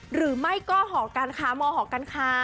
หรือไม่ก็หมอหอกกันค้า